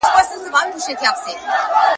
همېشه به یې تور ډک وو له مرغانو !.